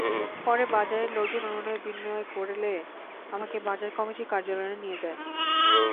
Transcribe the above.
পরে বাজারের লোকজন অনুনয়-বিনয় করলে আমাকে বাজার কমিটির কার্যালয়ে নিয়ে যায়।